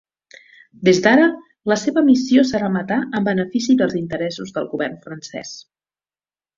Des d'ara, la seva missió serà matar en benefici dels interessos del govern francès.